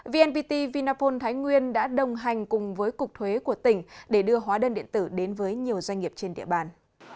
vnpt vinaphone thái nguyên đã đồng hành cùng với cục thuế của tỉnh để đưa hóa đơn điện tử đến với nhiều doanh nghiệp trên địa bàn